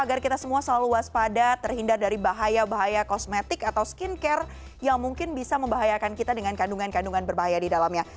agar kita semua selalu waspada terhindar dari bahaya bahaya kosmetik atau skincare yang mungkin bisa membahayakan kita dengan kandungan kandungan berbahaya di dalamnya